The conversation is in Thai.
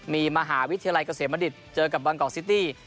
มีมหาวิทยาลัยเกษมณิตเจอกับบางกอกซิตี้